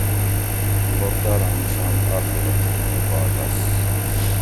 بوب داد آں نشان آخیرہ تھِل مئ پا لس